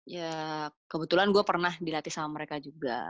ya kebetulan gue pernah dilatih sama mereka juga